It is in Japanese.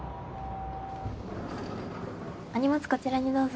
お荷物こちらにどうぞ。